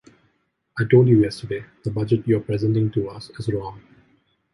I told you yesterday, the budget you’re presenting to us is wrong.